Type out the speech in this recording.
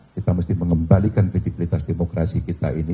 kita mesti mengembalikan kredibilitas demokrasi kita ini